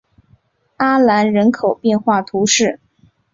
阿兰人口变化图示